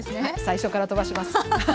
はい最初から飛ばします。